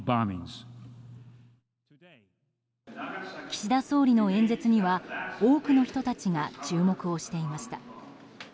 岸田総理の演説には多くの人たちが注目をしていました。